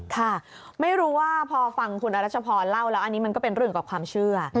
ค่ะไม่รู้ว่าพอฟังคุณอรัชพรเล่าแล้วอันนี้มันก็เป็นเรื่องกับความเชื่อ